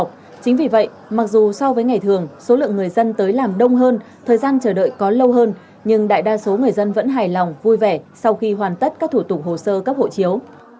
chính vì vậy mặc dù so với ngày thường số lượng người dân tới làm đông hơn thời gian chờ đợi có lâu hơn nhưng đại đa số người dân vẫn hài lòng vui vẻ sau khi hoàn tất các thủ tục hồ sơ cấp hộ chiếu